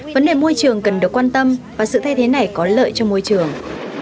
vấn đề môi trường cần được quan tâm và sự thay thế này có lợi cho môi trường